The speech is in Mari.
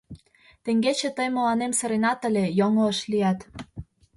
Теҥгече тый мыланем сыренат ыле, йоҥылыш лият...